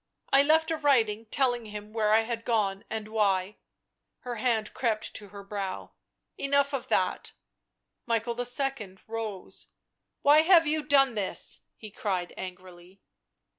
I left a writing telling him where I had gone and why " Her hand crept to her brow. " Enough of that." Michael II. rose. " Why have you done this?" he cried angrily.